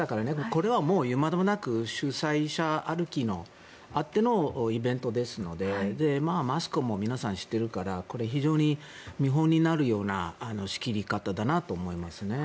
これはもう言うまでもなく主催者あってのイベントですのでマスクも皆さんしているからこれ、非常に見本になるような仕切り方だなと思いますね。